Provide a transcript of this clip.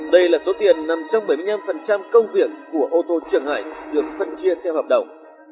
đây là số tiền nằm trong bảy mươi năm công việc của ô tô trường hải được phân chia theo hợp đồng